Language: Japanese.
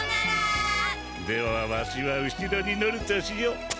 ではワシは後ろに乗るとしよう。